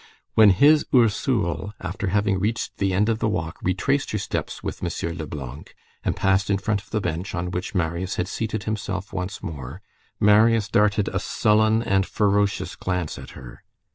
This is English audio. When "his Ursule," after having reached the end of the walk, retraced her steps with M. Leblanc, and passed in front of the bench on which Marius had seated himself once more, Marius darted a sullen and ferocious glance at her.